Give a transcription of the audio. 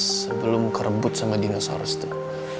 sebelum kerebut sama dinosaurus tuh